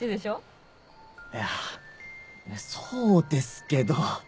いやそうですけど。